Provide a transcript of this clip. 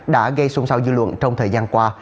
đã gây xung sao dư luận trong thời gian qua